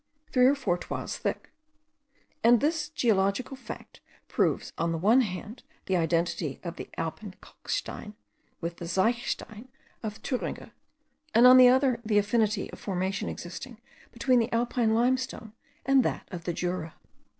three or four toises thick; and this geological fact proves on the one hand the identity of the alpenkalkstein with the zechstein of Thuringia, and on the other the affinity of formation existing between the alpine limestone and that of the Jura.